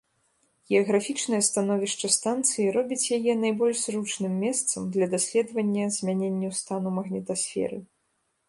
Геаграфічнае становішча станцыі робіць яе найбольш зручным месцам для даследвання змяненняў стану магнітасферы.